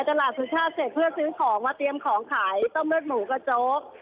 ตลาดสุชาติเสร็จเพื่อซื้อของมาเตรียมของขายต้มเลือดหมูกระโจ๊ก